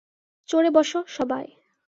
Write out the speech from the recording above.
চড়ে বসো, সবাই।